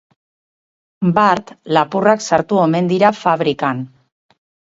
Bart, lapurrak sartu omen dira fabrikan.